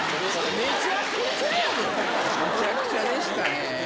めちゃくちゃでしたね。